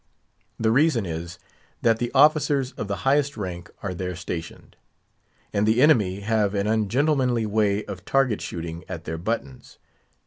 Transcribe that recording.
The reason is, that the officers of the highest rank are there stationed; and the enemy have an ungentlemanly way of target shooting at their buttons.